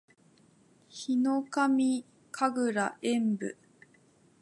ヒノカミ神楽円舞（ひのかみかぐらえんぶ）